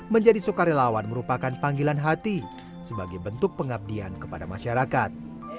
menjadi sukarelawan merupakan panggilan hati sebagai bentuk pengabdian kepada masyarakat